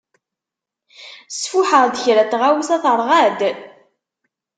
Sfuḥeɣ-d kra n tɣawsa teṛɣa-d.